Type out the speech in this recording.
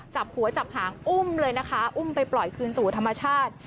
จับหัวจับหางอุ้มเลยนะคะอุ้มไปปล่อยคืนสู่ธรรมชาติ